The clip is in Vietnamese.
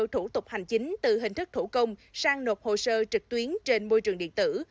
thủ tục hành chính từ hình thức thủ công sang nộp hồ sơ trực tuyến trên môi trường điện tử